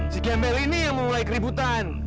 si gembel ini yang memulai keributan